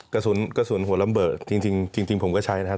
กระสุนหัวลำเบิดจริงผมก็ใช้นะครับ